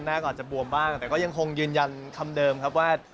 หน้าก็อาจจะบวมบ้างแต่ก็ยังคงยืนยันคำเดิมครับว่า